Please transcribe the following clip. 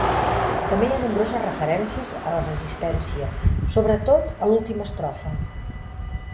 També hi fa nombroses referències a la Resistència, sobretot a l'última estrofa.